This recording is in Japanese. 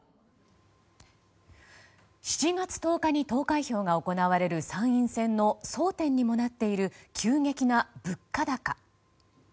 ７月１０日に投開票が行われる参院選の争点にもなっている急激な物価高。